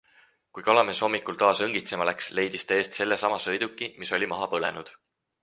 Kui kalamees hommikul taas õngitsema läks, leidis ta eest selle sama sõiduki, mis oli maha põlenud.